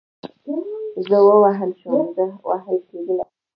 زه ووهل شوم, زه وهل کېدلم